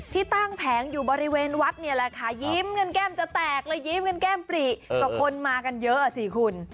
ที่ตั้งแผงอยู่บริเวณวัดเนี่ยแหละค่ะยิ้มกันแก้มจะแตกเลยยิ้มกันแก้มปรีก็คนมากันเยอะอ่ะสิคุณ